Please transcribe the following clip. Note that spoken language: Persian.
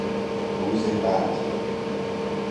روز بد